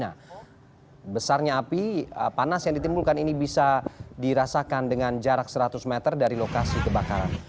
nah besarnya api panas yang ditimbulkan ini bisa dirasakan dengan jarak seratus meter dari lokasi kebakaran